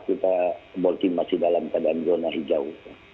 kita bol tim masih dalam keadaan zona hijau